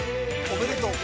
おめでとう。